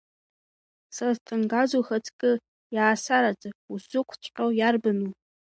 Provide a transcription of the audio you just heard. Сасҭангаз, ухаҵкы, иаасараӡа, узсықәҵәҟьо иарбану?